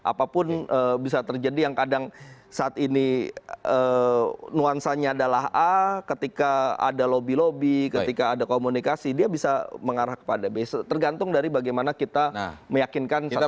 apapun bisa terjadi yang kadang saat ini nuansanya adalah a ketika ada lobby lobby ketika ada komunikasi dia bisa mengarah kepada b tergantung dari bagaimana kita meyakinkan secara terbuka